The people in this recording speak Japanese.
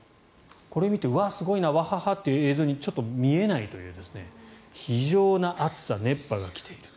これ見て、うわすごいなわははという映像にちょっと見えないという非常な暑さ、熱波が来ている。